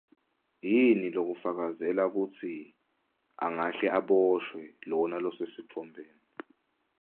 Yini lokufakazela kutsi angahle aboshwe lona losesitfombeni?